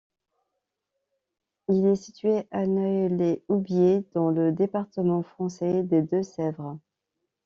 Il est situé à Nueil-les-Aubiers dans le département français des Deux-Sèvres.